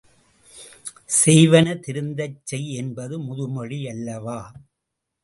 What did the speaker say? செய்வன திருந்தச் செய் என்பது முதுமொழி யல்லவா?